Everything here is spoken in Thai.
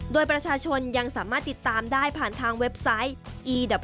โดยประชาชนยังสามารถติดตามได้ผ่านทางเว็บไซต์อีดับ